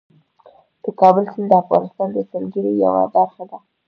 د کابل سیند د افغانستان د سیلګرۍ یوه برخه ده.